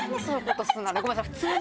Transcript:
ごめんなさい普通に。